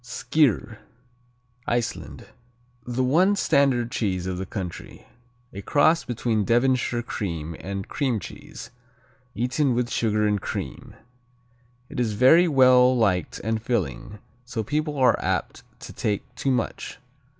Skyr Iceland The one standard cheese of the country. A cross between Devonshire cream and cream cheese, eaten with sugar and cream. It is very well liked and filling, so people are apt to take too much.